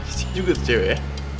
isi juga tuh cewek ya